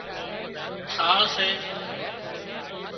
ٿاۯ سي